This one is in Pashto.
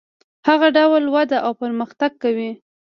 هغه ډول وده او پرمختګ کوي.